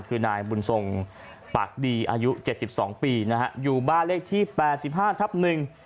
คือนายบุญทรงปากดีอายุเจ็ดสิบสองปีนะฮะอยู่บ้านเลขที่แปดสิบห้าทับหนึ่ง